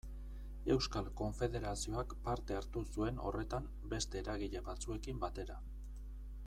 Euskal Konfederazioak parte hartu zuen horretan beste eragile batzuekin batera.